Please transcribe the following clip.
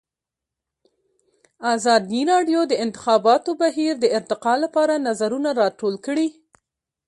ازادي راډیو د د انتخاباتو بهیر د ارتقا لپاره نظرونه راټول کړي.